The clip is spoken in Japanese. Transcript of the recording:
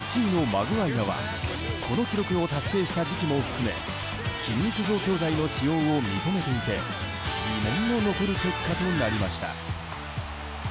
しかし１位のマグワイアはこの記録を達成した時期も含め筋肉増強剤の使用を認めていて疑問の残る結果となりました。